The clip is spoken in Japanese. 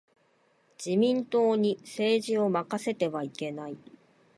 自民党に政治を任せてはいけない。